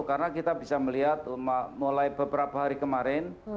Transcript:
karena kita bisa melihat mulai beberapa hari kemarin